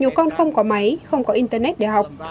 nhiều con không có máy không có internet để học